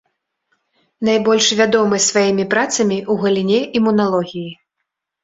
Найбольш вядомы сваімі працамі ў галіне імуналогіі.